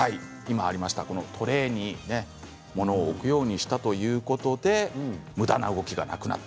トレーにものを置くようにしたということでむだな動きがなくなった。